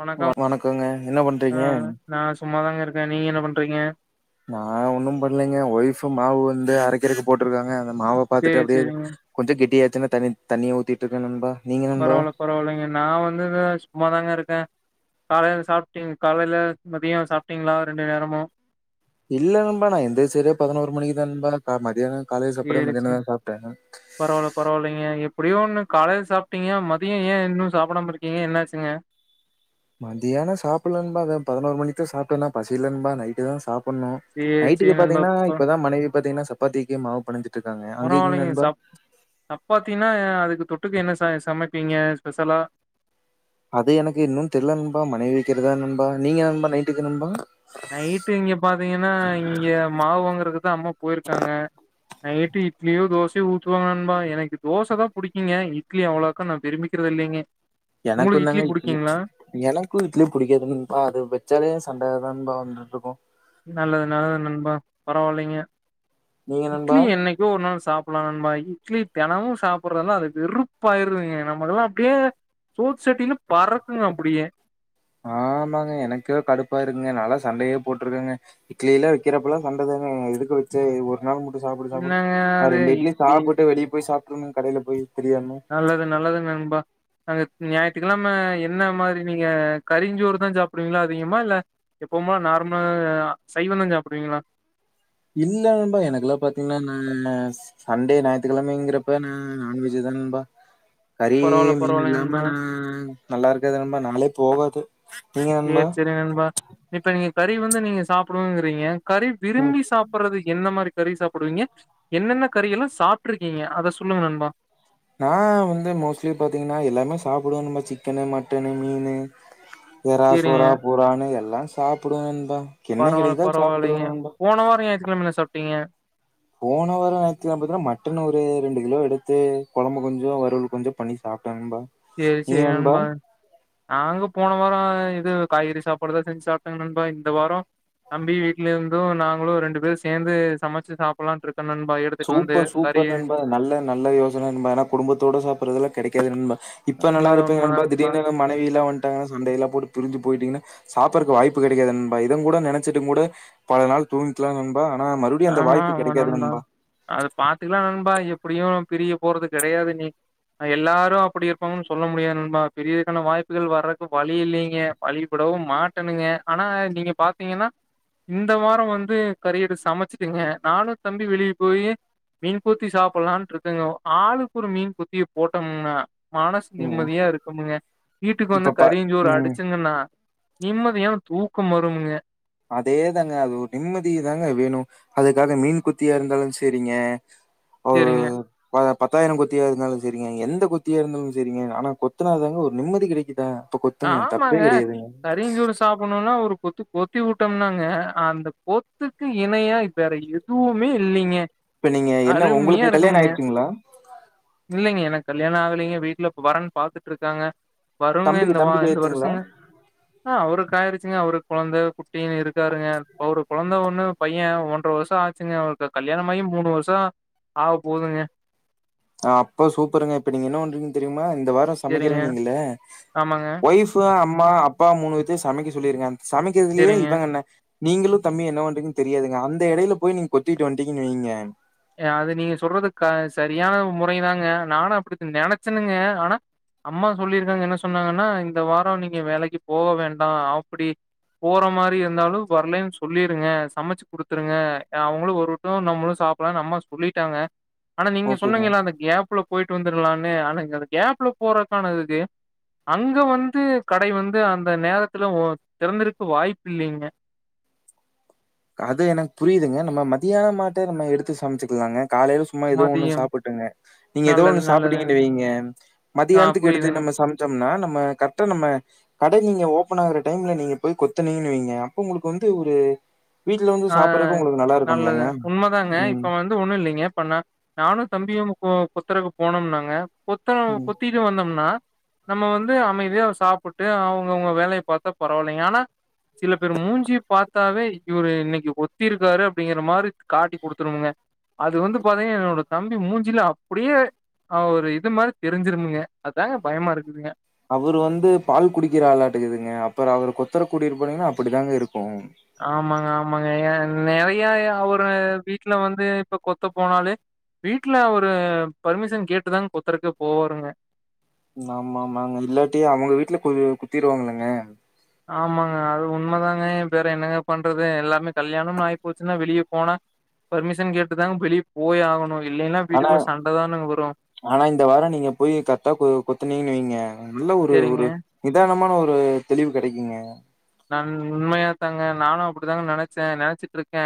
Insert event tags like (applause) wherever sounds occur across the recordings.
வணக்கம் வணக்கங்க. என்ன ஆ பண்றீங்க? நா சும்மாதாங்க இருக்கேன் நீங்க என்ன பண்றீங்க நா ஒன்னும் பண்ணலைங்க ஒய்ஃபு மாவு வந்து அரைக்கறக்கு போட்ருக்காங்க அத மாவு பாத்துட்டு சேரி அப்டியே சேரிங்க கொஞ்சோ கெட்டியாச்சுன்னா தனி தண்ணிய ஊத்திட்டு இருக்கேன் நண்பா நீங்க நண்பா பரவால்ல பரவால்லைங்க நா வந்து இத சும்மாதாங்க இருக்கேன் காலைல சாப்ட்டீங்க் காலையில மதியோ சாப்ட்டீங்களா ரெண்டு நேரமு இல்ல நண்பா நா எந்திரிச்சதே பதினோரு மணிக்கு தா நண்பா க மதியானோ சேரிச்சு பரவால்ல பரவால்லைங்க எப்ப பயோ ஒன்னு காலையில சாப்ட்டீங்க மதியம் ஏன் இன்னு சாப்டாம இருக்கீங்க என்ன ஆச்சுங்க மத்தியான சாப்புல நண்பா அதா பதினோரு மணிக்கு தா சாப்ட்டேனா பசி இல்ல நண்பா நைட்டு தான் சாப் பண்ணும் சேரி சேரி நைட்டுக்கு நண்பா பாத்தீங்கன்னா ப இப்பதா மனைவி பாத்தீங்கன்னா சப்பாத்திக்கு மாவு பெனஞ்சு பரவாலைங்க சப் சப்பாத்தினா அதுக்கு தொ ட்டுக்க என்ன ச சமைப்பீங்க ஸ்பெஷலா அது எனக்கு இன்னு தெரில நண்பா மனைவி வைக்கிறதா நண்பா நீங்க நண்பா நைட்டுக்கு நண்பா நைட்டு இங்க பாத்தீங்கன்னா இங்க மாவ் வாங்றதுக்கு அம்மா போயிருக்காங்க நைட்டு இட்லியோ தோசையோ ஊத்துவாங்க நண்பா எனக்கு தோசை தா புடிக்குங்க இட்லி அவ்ளாக்கா நா விரும்பி க்றதில்லிங்க எனக்குந்தாங்க இட்லிச் எனக்கும் இட்லி புடிக்காது நண்பா அது வச்சாலே சண்டயா தா நண்பா வந் நல்லது நல்லது நண்பா பரவால்லிங்க நீங்க நண்பா இட்லி என்னைக்கோ ஒரு நாள் சாப்புலாம் நண்பா இட்லி தெனமும் சாப்புட்றனா அது வெறுப்பாயிருவேங்க நமக்கெல்லா அப்படியே சோத் சட்டிலு ஆமாங்க எனக்கே கடுப்பா இருக்குங்க நாலா சண்டையே போட்ருக்கேங்க இட்லி எல்லா வைக்கிறப்பல்லா சண்ட தாங்க எதுக்கு வச்ச இது ஒரு நாள் மட்டு சாப்புடு சாப்புடு என்னங்க அ அது ரெண்டு இட்லி சாப்புட்டு வெளிய போய் சாப்ட்ருணு கடைல போய் தெரியாம நல்லது நல்லதுங் நண்பா அங்க ஞாயித்துக்கெழம என்ன மாரி நீங்க கரிஞ்சோர் தா சாப்புடுவீங்களா அதிகமா இல்ல எப்போமா நா ர்மல் சைவந்தா சாப்புடுவீங்களா (inaudible) இல்ல நண்பா எனக்கெல்லாம் பாத்தீங்கன்னா நா சண்டே ஞாயிற்றுக்கிழமைங்கிறப்ப நா நான்வெஜ் நண்பா கறி பரவாயில்ல மீன் பரவாயில்ல இல்லாம நண்பா நா நல்லா இருக்கது நண்பா நாளே போகாது நீங்க சேரி நண்பா சேரி நண்பா இப்ப நீங்க கறி வந்து நீங்க சாப்பிடுங்கிறீங்க கறி ம் விரும்பி சாப்புடுறது எந்த மாரி கறி சாப்புடுவீங்க என்னென்ன கறி எல்லா சாப்ட்டுருக்கீங்க அத சொல்லுங்க நண்பா நான் வந்து மோஸ்ட்லி பாத்தீங்கன்னா எல்லாமே சாப்பிடுவே நண்பா சிக்கன்னு மட்டன்னு மீனு சேரிங்க இராசுரா புறான்னு எல்லாம் சாப்புடுவேன் நண்பா என்ன பரவால்ல கெடைக்குதா சாப்புட்ருவே பரவால்லைங்க நண்பா போன வாரம் ஞாயிற்றுக்கிழமை என்ன சாப்ட்டீங்க போன வாரோ ஞாயித்துக்கிழம தா மட்டன் ஒரு ரெண்டு கிலோ எடுத்து குழம்பு கொஞ்சொ வறுவல் கொஞ்சொ பண்ணி சாப் சாப்டே நண்பா சேரி சேரி நண்பா நாங்க போன வாரோ இந்த இது காய்கறி சாப்பாடுதா செஞ்சு சாப்ட்டேங்க நண்பா இந்த வாரோ தம்பி வீட்லருந்து நாங்களு ரெண்டு பேரு சேந்து சமைச்சு சாப்படலாம்னு இருக் சூப்பர் சூப்பர் நண்பா நல்ல நல்ல யோசன நண்பா ஏன்னா குடும்பத்தோட சாப்பறதுல்லா கெடைக்காது நண்பா இப்ப உண்மதா நல்லாருப்பீங்க உண்மதா நண்பா திடீர்னு மனைவியிலா வந் டாங்க சண்டயிலா போட்டு பிரிஞ்சு போயிட்டீங்க சாப்பற வாய்ப்பு கெடைக்காது நண்பா இடம் கூட நெனைச்சட்டு கூட பல நாள் தூங்கிக்கலா நண்பா ஆன மறுபடியு அந்த ஆமா வாய்ப்பு ஆமா கெடைக்காது நண்பா அது பாத்துக்கலா நண்பா எப்டியு பிரிய போறது கெடையாது நீ எல்லாரு அப்படி இருப்பாங்கன்னு சொல்ல முடியாது நண்பா பிரியதற்கான வாய்ப்புகள் வர்றக்கு வழி இல்லிங்க வழி பட விடவு மாட்டணுங்க ஆனா நீங்க பாத்தீங்கன்னா இந்த வார வந்து கரி எடு சமச் சுக்கிங்க நானு தம்பியு வெளிய போய்யி மீன் குத்தி சாப்பலான்ருக்குங்க ஆளுக்கு ஒரு மீன் குத்திய போட்டோம்னா மனசு ம். நிம்மதியா இருக்கும்ங்க வீட்டுக்கு வந்து இப்ப பா கறியுஞ்சோறு ம். அடிச்சுங்கன்னா நிம்மதியான தூக்கம் வருமுங்க அதே தாங்க அது ஒரு நிம்மதியதாங்க வேணு அதுக்காக மீன் குத்தியா இருந்தாலு சரிங்க சரிங்க பத்தாயிர கொத்தியா இருந்தாலு சரிங்க எந்த கொத்தியா இருந்தாலு சரிங்க ஆனா கொத்தனார்தாங்க ஒரு நிம்மதி கிடைக்குதா ஆமாங்க கரியுஞ்சோறு சாப்பணும்னா ஒரு கொத்து கொத்தி விட்டோம்னாங்க அந்த பொத்துக்கு இணையா வேற எதுவுமே இல்லைங்க இப்ப நீங்க என்ன அருமையா உங்களுக்கு கல்யாணம் இருக்குமுங்க ஆயிடுச்சுங்களா? இல்லைங்க என கல்யாணம் ஆகலங்க வீட்ல வரன் பாத்துட்ருக்காங்க வருங்க தம்பிக்கு இந்த வா தம்பிக்கு இந்த ஆயிடுச்சுங்களா? வருஷங்க அவருக்கு ஆயிருச்சுங்க அவரு கொழந்தை குட்டின்னு இருக்கு இருக்காருங்க ஒரு கொழந்த ஒண்ணு பைய ஒன்ரை வருஷ ஆச்சுங்க அவளுக்கு கல்யாணம்மாயி மூணு வருஷ ஆக போதுங்க ஆ அப்ப சூப்பருங்க இப்ப நீங்க என்ன பண்றீங்கன்னு தெரியுமா இந்த வார சரிங்க. சமைக்கறேன்னிங்கல ஆமாங்க. ஒய்ப்பு அம்மா அப்பா மூணு பேத்தயு சமைக்க சொல்லிருங்க சமைக்கிறதுலயே சரிங்க. இவங்க என்ன நீங்களு தம்பி என்ன பண்றீன்னு தெரியாதுங்க அந்த இடையில போய் நீங்க கொத்திட்டு வண்டிங்கன்னு வைங்க அது நீங்க சொல்றது க சரியான முறை தாங்க நானும அப்படி நெனைச்சன்னுங்க ஆனா அம்மா சொல்லியிருக்காங்க என்ன சொன்னாங்கன்னா இந்த வார நீங்க வேலைக்கு போக வேண்டா அப்படி போற மாரி இருந்தாலு. வரலனுல சொல்லிருங்க சமைச்சு குடுத்துருங்க அவங்களு ஒருவரட்டு நம்மளு சாப் நம்மா சொல்லிட்டாங்க ஆனா நீங்க ஓகேங்க. சொன்னிங்கல்ல அந்த கேப்ல போயிட்டு வந்துரலான்னு ஆனாங்க அந்த கேப்ல போறக்கானது இது அங்க வந்து கடை வந்து அந்த நேரத்துல ஒ திறந்திருக்கு வாய்ப்பு இல்லலைங்க அது எனக்கு புரியுதுங்க நம்ம மதியான மாட்டு நம்ம எடுத்து சமைச்சுக்கலாங்க காலையில சும்மா ஏதோ ஒண்ணு மதியம் சாப்பிட்டுங்க நீங்க ஏதோ நல்லது ஒண்ணு நல்லதுங்க சாப்பிட்டீங்கன்னு வைங்க ஆ மதியானத்துக்கு புரியுதுங்க எடுத்து நம்ம சமைச்சம்னா நம் ம்ம கரெக்டா நம்ம கடை நீங்க ஓபன் ஆகுற டைம்ல நீங்க போய் கொத்துனிங்கனு வைங்க அப்ப உங்களுக்கு வந்து ஒரு வீட்ல வந்து ஆ சாப்பறக்கு உங்களுக்கு நல்லா நல்லது இருக்கும்லங்க உண்மதாங்க ம் இப்ப வந்து ஒண்ணு இல்லைங்க நா நானு தம்பியு கொத்தரக்கு போனோம்னாங்க கொத்தர ம் கொத்திட்டு வந்தோம்னா நம்ம வந்து அமைதியா சாப்புட்டு அவங்கவுங்க வேலைய பாத்தா பரவால்லைங்க ஆனா சில பேர் மூஞ்சி பாத்தாவே இ ஒரு இன்னைக்கு கொத்திருக்காரு அப்படிங்கிற மாரி காட்டி குடுத்துருங்க அது வந்து பாத்தீங்கா என்னோட தம்பி மூஞ்சில அப்டியே அவ் ஒரு இது மாரி தெரிஞ்சிருங்க அதாங்க பயமா இருக்குதுங்க அவரு வந்து பால் குடிக்கிற ஆளாட்டுக்குதுங்க அப்புற அவரு கொத்தர குடி இரு போனீங்கன்னா அப்படிதாங்க இருக்கு ஆமாங்க ஆமாங்க எ நெறைய ஒரு வீட்டுல வந்து இப்ப கொத்த போனாலே வீட்டு்ல ஒரு பர்மிஷன் கேட்டுதாங்க கொத்தருக்கே போவாருங்க ஆமா ஆமாங்க இல்லாட்டி அவங்க வீட்டுல கு குத்திருவாங்கங்க ஆமாங்க அது உண்மதாங்க வேற என்னங்க பண்றது எல்லாமே கல்யாணம்னு ஆகி போச்சுன்னா வெளிய போனா பர்மிஷன் கேட்டுதாங்க வெளிய போய்யாகணு இல்லைன்னா ஆனா வீட்டுக்குள்ள சண்டைதானுங்க ஆனா இந்த வார நீங்க போய் கத்தா கொ கொத்துனீங்கனுவைங்க நல்ல ஒரு சரிங்க. ஒரு நிதானமான ஒரு ஒரு தெளிவு கெடைக்குங்க நான் உண்மையதாங்க நானு அப்டித்தாங்க நெனைச்சே நெனைச்சிட்டு இருக்கே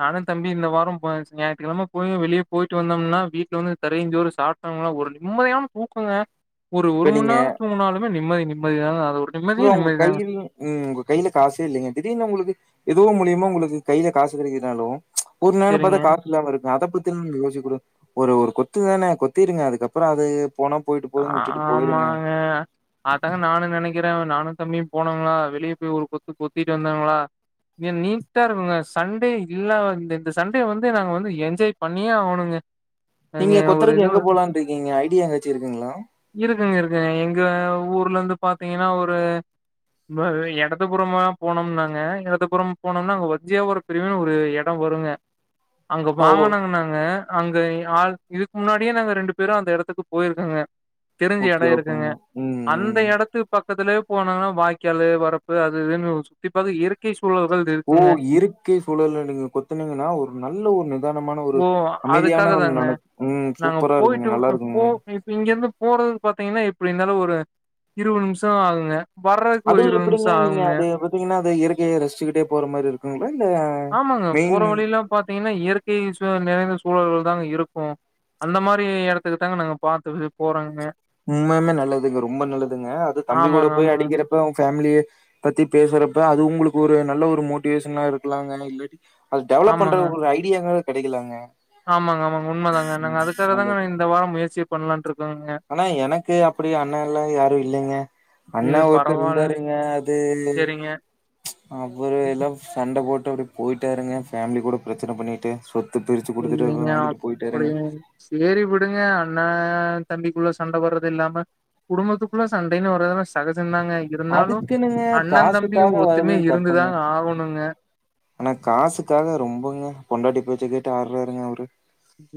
நானு தம்பியு இந்த வாரம்போயாச் ஞாயித்துகிழம போய் வெளியே போயிட்டு வந்தோம்னா வீட்டுல வந்து திரையு சோறு சாப்டோனா ஒரு நிம்மதியான தூக்குங்க ஒரு இப்ப நீங்க மணி நெரோ தூங்காலுமே நிம்மதி நிம்மதிய தா ப்ரோ ஓங்க கையிந் உம் கையில காசே இல்லைங்க திடீர்னுா உங்களுக்கு ஏதோ மூலியமா உங்களுக்கு கையில காசு கெடைக்கிதுனாலு ஒரு நேரோ பாத்தா சரிங்க காசு இல்லாம இருக்கு அதை பத்தி யோசிக்க கூடாது ஒரு ஒரு கொத்து தானே கொத்திருங்க அதுக்கப்புறோ அது போனா போயிட்டு ஆ போதுன்னு உட்டுட்டு போயிருங்க ஆமாங்க அதாங்க நானு நெனைக்கிறே நானு தம்பியு போனாங்களா வெளியே போய் ஒரு கொத்து கொத்திட்டு வந்தாங்களா நீ நீட்டா இருக்குங்க சண்டே இல்லாத இந்த சண்டே வந்து நாங்க வந்து என்ஜாய் பண்ணியே ஆகணுங்க அங்க நீங்க ஒரு கொத்தருக்கு இது எங்க போலானுடிருக்கீங்க ஐடியா எதாச்சி இருக்குங்களா இருக்குங்க இருக்குங்க எங்க ஊர்ல இருந்து பாத்தீங்கன்னா ஒரு இடதுபுறமா போனோம்னாங்க இடதுபுறம் போனோம்னா அங்க ஒத்தையா பிரிவு ஒரு இடோ வருங்க (inaudible) அங்க வாங்கனாங்க நாங்க அங்க ஆ இதுக்கு முன்னாடியே நாங்க ரெண்டு பேரும் அந்த இடத்துக்கு போயிருக்கங்க தெரிஞ்ச இட ஓகே ஓகேங்க இருக்குங்க ம் அந்த ம் இடத்துக்கு பக் பக்கத்துலே போனாங்கா வாய்க்காலு வரப்பு அது இதுனு சுத்தி பாக்க இயற்கையே சுத் ஓ இருக்கெ சூழல்ல நீங்க கொத்துனீங்கன்னா ஒரு நல்ல ஒரு நிதானமான ஒரு ஓ அமைதி அதுக்காக தாங்க நாங்க போயிட்டு நல்லா இருக்குங்க போ இ இங்கருந்து போறதுனு பாத்தீங்கன்னா இப்டி இந்நெரோ ஒரு இருவது நிம்ஷோ ஆகுங்க வர்றதுக்கு ஒரு அதுவு இருவது எப்படிங்க நிமிஷோ நீங்க ஆகுங்க அது பாத்தீங்கன்னா அது இயற்கையே ரசிச்சுக்கிட்டே போற மாரி இருக்குங்க இல் ஆமாங்க போற வழியெல்லா பாத்தீங்கன்னா இயற்கையே சுத் திந்துங்க சூழல்கள் தாங்க இருக்கு அந்த மாரி இடத்துக்கு தாங்க நாங்க பாத்தது போறோங்க உண்மே நல்லதுங்க ரொம்ப நல்லதுங்க அது தம்பி கூட ஆமாங்க போய் ஆமாங்க அடிக்கிறப்ப ஃபேமிலியே பத்தி பேசுறப்ப அது உங்களுக்கு ஒரு நல்ல ஒரு மோட்டிவேஷனாக இருக்கலாங்க இல்லாட்டி அது டெவலப் பண்ற ஆமாங்க ஒரு ஐடியாங்க கெடைக்கலாங்க ஆமாங்க ஆமாங்க உண்மைதாங்க நாங்க ம் அதுக்காக தாங்க நல்லது. இந்த வாரம் முயற்சி பண்ணலா இருக் ஆனா எனக்கு அபடி அண்ணன் அண்ண எல்லா யாரு இல்லைங்க அண்ணா இது ஒருத்தர் பரவால் இருந்தாருங்க அது செரிங்க அப்புறோ எல்லா சண்ட போட்டு ட அப்டியே போயிட்டாருங்க ஃபேமிலி கூட பிரச்சன பண்ணிட்டு சோ இல்லைங்க அப்டி செரி விடுங்க அண்ணா தம்பிக்குள்ள சண்ட வர்றது இல்லாம குடும்பத்துக்குள்ள சண்டைன்னு வரது சகஜதாங்க இருந்தாலு அதுக்குன்னுங்க அண்ணன் தம்பியு காசுக்காக வர்றது ஒத்துமைய தப்புங்க. இருந்துதாங்க ஆகணுங்க ஆனா காசுக்காக ரொம்பங்க பொண்டாட்டி பேச்ச கேட்டு ஆறாருங்க அவுரு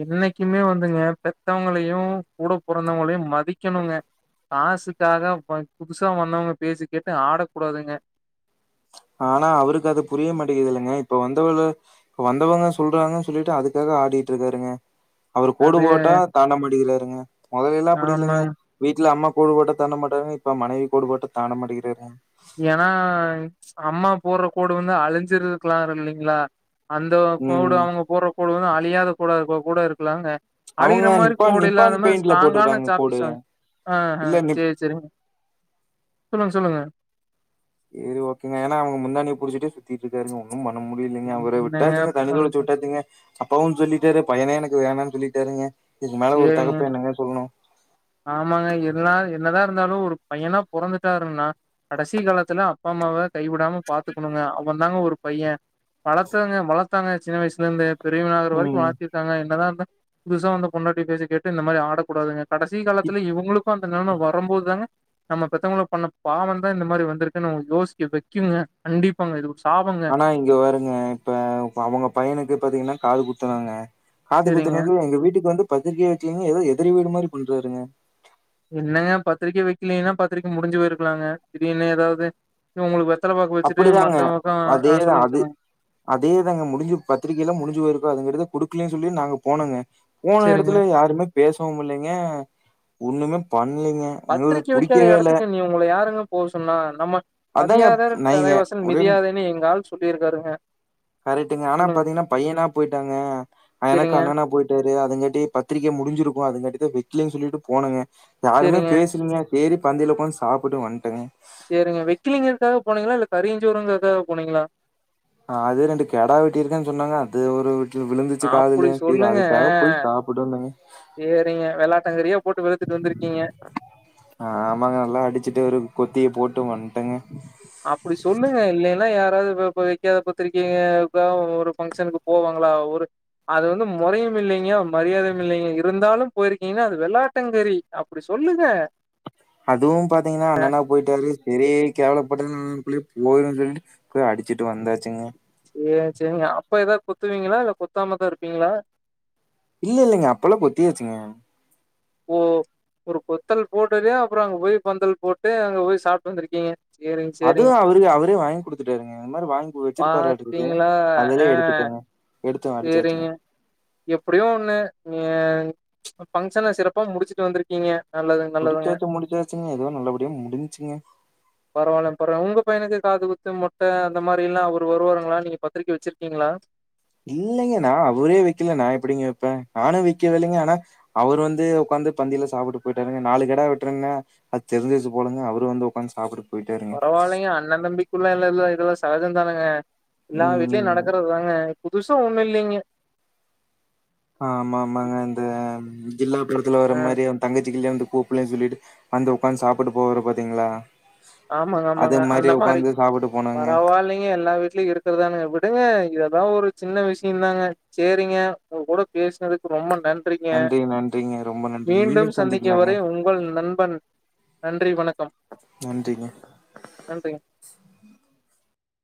என்னைக்குமே வந்துங்க பெத்தவங்களையு கூட பிறந்தவங்களையு மதிக்கணுங்க காசுக்காக பத் புதுசா வந்தவங்க பெச்சகுச்சா கேட்டு ஆடக்கூடாதுங்க ஆனா அவுருக்கு அது புரிய மாட்டேங்கதுல்லைங்க இப்ப வந்தவலு வந்தவங்க சொல்றாங்கன்னு சொல்லிட்டு அதுக்காக ஆடிட்டு இருக்காருங்க அவரு கோடு அது போட்டா தாண்ட மாட்டகிருங்க மொதல்லே அப்டி ஆமாங்க இல்லங்க வீட்டுல அம்மா கோடுபொட்ட தாண்ட மாட்டாங்க இப்ப மனைவி கோடுபொட்ட தாண்ட மாட்டிகிறாரு ஏன்னா அம்மா போடுற கோடு வந்து அழிஞ்சிருலாங்கில்லா இல்லைங்களா அந்த பவுடு ம். அவ்ங்க போட்ற கோடுவு வந்து அழியாத கொட கூட இருக்கலாங்க அழியிற அவங்க மாரி நிப்பான் கோடு நிப்பான் இல்லாதான பெயிண்ட்ல ஸ்ட்ராங்கான போட்டுருக்காங்க கோடு. சாப்பிஸ்சா வாங்கனு ஆ ஹ இல்ல நிப் செர் செரிங்க சொல்லுங்க சொல்லுங்க செரி ஓகேங்க ஏன்னா அவுங்க முந்தனேய புடிச்சட்டே சுத்தி இருக்காருங் ஒன்னும் ப நம் முடியலீங்க அவுர என்னங்க விட்டாசுங்க தண்ணு பண்ற தொலைச்சு விட்டாசுங்க அப்பாவவுனு சொல்லிட்டாரு பையனே எனக்கு வேணானு சொல்லிட்டாரு செர்ங்க ஆமாங்க இருனாங் என்னதாருந்தாலு ஒரு பையனா பொறந்துட்டாருன்னா கடைசி காலத்துல அப்பா அம்மாவக் கைவுடாம பாத்துக்கணுங்க அவந்தாங்க ஒரு பைய வளத்தங்க வளத்தாங்க சின்ன வயசுலந்தே பெரியவனாகர வரிக்கு ம் வாழ்த்திட்தாங்க இருத்தாங்க என்னதா இருந்தா புதுசா வந்த பொண்டாட்டி பேச்ச கேட்டு இந்த மாரி ஆடக்கூடாதுங்க கடைசி இப் காலத்துல இவுங்களுக் கு அந்த நெலம வரம்போது தாங்க நம்ம பெத்தவங்கள பண்ண பாவந்தா இந்த மாரி வந்திருக்குன்னு யோசிக்க வெய்க்குங்க கண்டிப்பாங்க இது சாபங்க ஆனா இங்க பருங்க இப்ப அவுங்க பையனுக்கு பாத்தீங்கன்னா காது குத்துனோங்க காது சேரிங்க குத்தணக்கு எங்க வீட்டுக்கு வந்து பத்திரிகையே வெக்கிலிங்க எதோ எதிர் வீடு மாரி போய்ட்டாருங்க என்னங்க பத்திரிக்க வெக்கலேன்னா பத்திரிக்க முடிஞ்சி போயிருக்குலாங்க திடீனு ஏதாவது உங்களுக்கு வெச் அப்படிதாங்க அதேதா அதே சொல்லுங்க அதேதாங்க முடிஞ்சிப் பத்திரிகைலா முடிஞ்சி போயிருக்கோ அதுங்கிறது கொடுக்கலேன் சொல்லி நாங்க போனோங்க போன சேரிங்க எடத்துல யாருமே பேசவும் இல்லிங்க ஒண்ணுமே பண்லைங்க பத்திரிக்க எங்களுக்கு வெக்காத புடிக்கவே இல்ல எடத்துக்கு நீ உங்கள யாருங்க போ சொன்னா நம்ம அதாங்க மதியாதர் நீங்க தலைவாசல் ஒரே மிதியாதேன்னு எங்க ஆள் சொல்லியிருக்காருங்க கரெக்ட்டுங்க ஆனா சொல்லுங்க பாத்தீங்கன்னா பையனா போயிட்டங்க எனக்கு சேரிங்க அண்ணனா போயிட்டாரு அதுங்கட்டி பத்திரிக்கம் முடிஞ்சிருக்கோ அதுங்காட்டி வெக்கலேன் சொல்லிட்டு போனங்க யாருமே சேரிங்க, பேசலீங்க செரி பந்தில ஒக்காந்து சாப்புட்டு வன்ட்டங்க சேரிங்க வெக்கிலிங்கற்துக்காக போனீங்ளா இல்ல கறியிஞ்சோறுங்க்காக போனீங்ளா அ அது ரெண்டு கெடா வெட்டி இருக்கேன் சொன்னாங்க அது ஒரு வீட்டுல விலுந்துச்சி அப்படி காதுல்ல சேரி சொல்லுங்க. அதுக்காக போய் சாப்புட் டு வந்தங்கே சேரிங்க விளாட்டங்கறியா போட்டு வெளுத்துட்டு வந்துருக்கீங்க அ ஆமாங்க நல்லா அடிச்சிட்டு ஒரு கொத்திய போட்டு வன்ட்டங்க அப்டி சொல்லுங்க இல்லேன்னா யாராவது இ இப்ப வைக்காத பத்திரிக்கே இப்ப ஒரு பங்க்ஷனுக்கு போவாங் அவ்ள ஒரு அது வந்து மெறையும் இல்லிங்க மரியாதையும் இல்லிங்க இருந்தாலும் போயிருக்கீங்க அது வெள்ளாட்டங்க செரி அப்டி சொல்லுங்க அதுவு பாத்தீங்கன்னா அண்ணன்னா போயிட்டாரு செரி கேவலப் பாட்டன் குள்ளியேப் போயிருன் சொல்ட்டு போய் அடிச்சிட்டு வந்தாச்சிங்க ஏ செரிங்க அப்ப ஏதா குத்துவீங்ளா இல்ல குத்தாமதாருப்பீங்ளா இல்ல இல்லலங்க அப்பல்லா கொத்தியச்சிங்க ஓ ஒரு கொத்தல் போட்டலியோ அப்புறோ அங்க போய் பந்தல் போட்டு அங்க போய் சாப்ட்டு வந்திருக்கீங்க சேரிங்க, அதுவு சேரிங்க. அவரே அவரே வாய்ங் குடுத்துட்டாருங்க அந் மாரி வாங்கி வெச்சிருப்பாரு ஆட்டுக்குது பாத்தீங்களா? ஆ, அதலியே எடுத்துட்டேங்க எடுத்த அடிச்சாச்சிங்க எப்படியோ ஒண்ணு நீங்க பங்க்ஷன்ன செறப்பா முடிச்சிட்டு வந்திருக்கீங்க நல்லதுங்க நல்லதுங்க முடிச்சாச்சி முடிச்சாச்சிங்க எதுவோ நல்லபடியா முடிஞ்ச்சிங்க பரவால்லங் பரவால் உங்க பையனுக்கு காதுகுத்து மொட்ட அந்த மாரில்லா அவுரு வருவாருங்ளா நீங்க பத்திரிக்க வெச்சிருக்கீங்ளா இல்லைங்க நா அவரே வெக்கல நா எப்டிங்க வெப்பே நானு வெய்க்கவேல்லைங்க ஆனா அவுரு வந்து ஒக்காந் காந்து பந்தில சாப்புட்டு போய்ட்டாருங்க நாலு கெடா வெட்ரேங்னா அத் தெரிஞ்சிச்சி போலங்க அவுரு வந்து ஒக்காந்து சாப்டுட்டு பரவால்லைங்க அண்ண தம்பிக்குள்ள எல்லா எல்லா இதெல்லா சகஜன்தானங்க எல்லா வீட்லயு ம் நடக்கற்துதாங்க புதுசா ஒண்ணு இல்லைங்கே ஆமாமாங்க இந்த ஜில்லா படத்துல வர ஆ மாரி எ தங்கச்சிக்கி கல்யாணதுக் கூப்புல்லே சொல்லிட்டு வந்து ஒக்காந் சாப்புட்டு போவாரு பாத்தீங்ளா ஆமாங்க ஆமாங்க அந்த மாரி சாப்பிட்டு போனாங்க பரவால்லைங்க எல்லா வீட்லயு இருக்கறதானுங்க விட் டுங்க இதெல்லா ஒரு சின்ன விஷயு தாங்க சேரிங்க உங்கூட பேஸ்னதுக்கு ரொம்பன் நன்றிங்க நன்றி நன்றிங்க ரொம்ப நன்றிங்க மீண்டு மீண்டும் சந்திக்கும் சந்திக்கலாங்க வரை உங்கள் நண்பன் நன்றி வணக் நன்றி நன்றிங்க